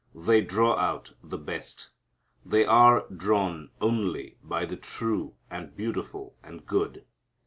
They draw out the best. They are drawn only by the true and beautiful and good.